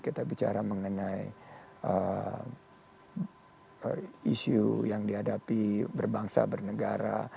kita bicara mengenai isu yang dihadapi berbangsa bernegara